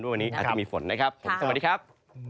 วันนี้อาจจะมีฝนนะครับผมสวัสดีครับ